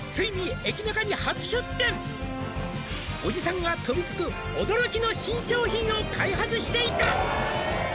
「おじさんが飛びつく驚きの新商品を開発していた」